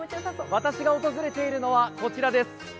私が訪れているのはこちらです。